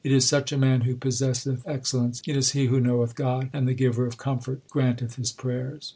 It is such a man who possesseth excellence ; it is he who knoweth God ; And the Giver of comfort granteth his prayers.